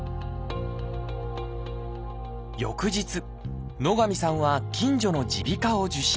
翌日野上さんは近所の耳鼻科を受診。